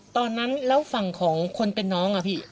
ตอนนั้นแล้วฝั่งของคนเป็นน้องอะพี่